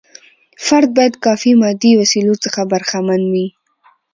فرد باید کافي مادي وسیلو څخه برخمن وي.